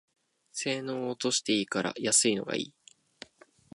性能落としていいから安いのがいい